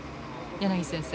柳先生